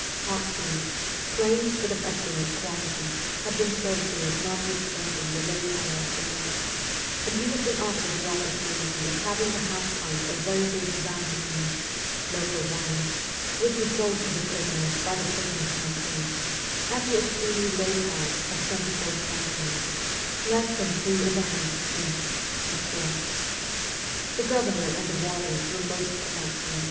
Hot food, plain but of excellent quality, had been served to us notwithstanding the late hour of the night, and we had been offered the opportunity of having the half pint of very good vin du pays (local wine) which was sold to the prisoners by the prison canteen, at the extremely low price of 24 centimes (less than 2^d.) per quart. The governor and the warders were most polite to us.